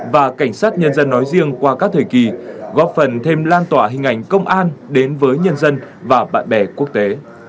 và cảnh sát nhân dân nói riêng qua các thời kỳ góp phần thêm lan tỏa hình ảnh công an đến với nhân dân và bạn bè quốc tế